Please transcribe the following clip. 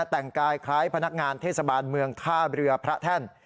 แต่งกายคล้ายพนักงานเทศบาลเมืองท่าเรือพระแท่น